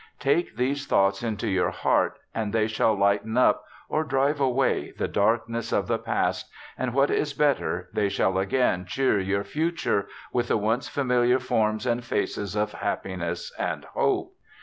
Take these thoughts into your heart, and they shall lighten up, or drive awav, the darkness of the past, and, what is better, they shall again cheer your future with the once familiar forms and faces of Happiness and Hope.